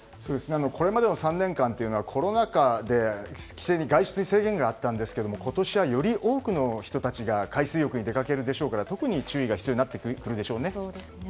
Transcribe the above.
これまでの３年間というのはコロナ禍で外出に制限があったんですが今年はより多くの人たちが海水浴に出かけるでしょうから特に注意が必要になってくるでしょうね。